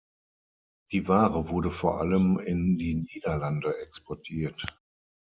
Die Ware wurde vor allem in die Niederlande exportiert.